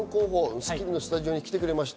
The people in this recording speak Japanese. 『スッキリ』のスタジオに来てくれました。